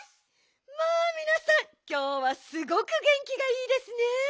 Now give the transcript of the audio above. まあみなさんきょうはすごくげんきがいいですね。